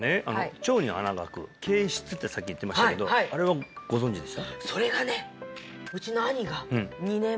腸に穴があく憩室ってさっき言ってましたけどあれはご存じでした？